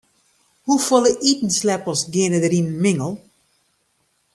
Hoefolle itensleppels geane der yn in mingel?